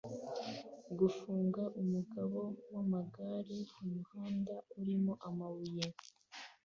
Gufunga umugabo wamagare kumuhanda urimo amabuye